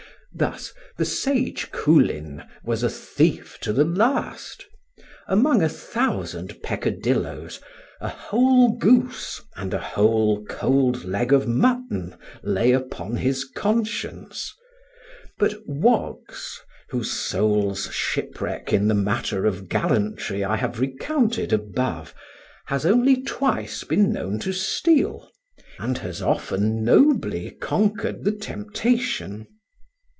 Thus the sage Coolin was a thief to the last; among a thousand peccadilloes, a whole goose and a whole cold leg of mutton lay upon his conscience; but Woggs, whose soul's shipwreck in the matter of gallantry I have recounted above, has only twice been known to steal, and has often nobly conquered the temptation.